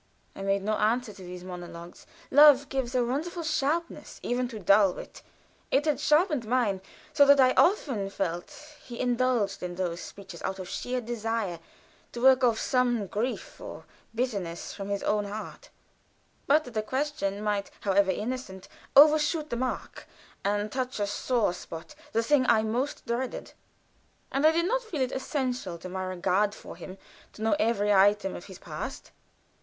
I seldom answered these mystic monologues. Love gives a wonderful sharpness even to dull wits; it had sharpened mine so that I often felt he indulged in those speeches out of sheer desire to work off some grief or bitterness from his heart, but that a question might, however innocent, overshoot the mark, and touch a sore spot the thing I most dreaded. And I did not feel it essential to my regard for him to know every item of his past.